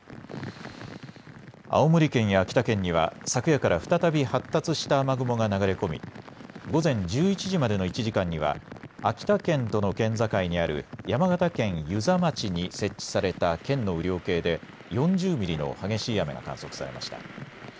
青森県や秋田県には昨夜から再び発達した雨雲が流れ込み午前１１時までの１時間には秋田県との県境にある山形県遊佐町に設置された県の雨量計で４０ミリの激しい雨が観測されました。